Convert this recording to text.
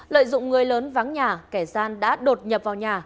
lợi dụng người lớn vắng nhà kẻ gian đã đột nhập vào nhà